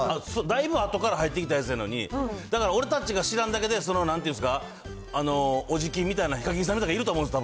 だいぶあとから入ってきたやつなのに、だから俺たちが知らんだけで、そのなんていうんですか、おじきんみたいなＨＩＫＡＫＩＮさんみたいなのがいると思うんです。